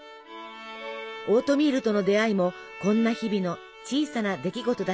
オートミールとの出会いもこんな日々の小さな出来事だったのかもしれません。